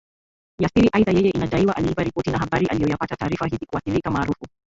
ya siri Aidha yeye inadaiwa aliiba ripoti na habari aliyoyapata Taarifa hizi kuathirika maarufu